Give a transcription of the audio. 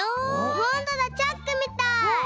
ほんとだチャックみたい！わ！